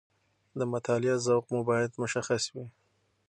د مطالعې ذوق مو باید مشخص وي.